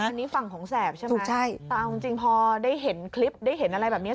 อันนี้ฝั่งของแสบใช่ไหมใช่แต่เอาจริงจริงพอได้เห็นคลิปได้เห็นอะไรแบบเนี้ย